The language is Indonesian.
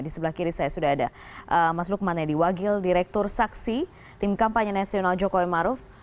di sebelah kiri saya sudah ada mas lukman ediwagil direktur saksi tim kampanye nasional jokowi maruf